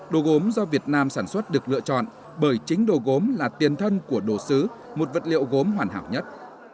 đồ gốm do việt nam sản xuất được lựa chọn bởi chính đồ gốm là tiền thân của đồ sứ một vật liệu gốm hoàn hảo nhất